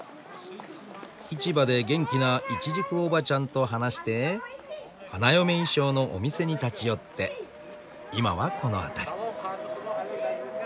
市場で元気なイチジクおばちゃんと話して花嫁衣装のお店に立ち寄って今はこの辺り。